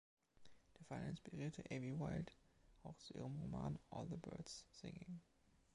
Der Fall inspirierte Evie Wyld auch zu ihrem Roman „All the Birds, Singing".